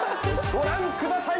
ご覧ください